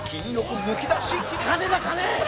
金だ金！